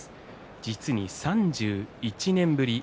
実に３１年ぶり。